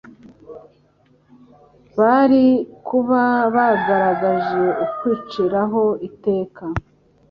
bari kuba bagaragaje ukwiciraho iteka.